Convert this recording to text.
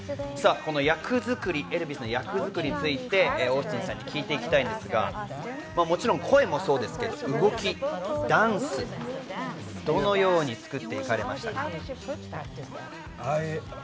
この役作り、エルヴィスの役作りについてオースティンさんに聞いていきたいんですが、もちろん声もそうですけど、動きやダンス、どのように作っていかれましたか？